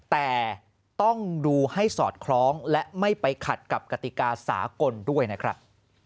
แต่ต้องดูให้สอดคล้องและไม่ไปขัดกับกติกาสากลด้วยนะครับ